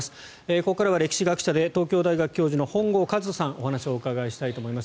ここからは歴史学者で東京大学教授の本郷和人さんにお話をお伺いしたいと思います。